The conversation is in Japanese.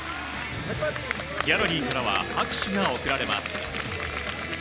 ギャラリーからは拍手が送られます。